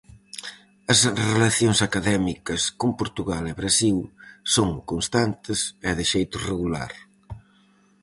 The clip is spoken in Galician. As relacións académicas con Portugal e Brasil son constantes e de xeito regular.